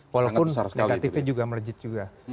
walaupun negatifnya juga melejit juga